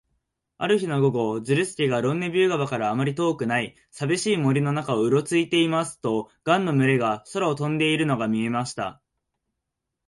ある日の午後、ズルスケがロンネビュー川からあまり遠くない、さびしい森の中をうろついていますと、ガンの群れが空を飛んでいるのが見えました。